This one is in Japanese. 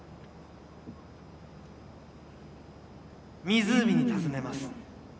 湖にたずねます。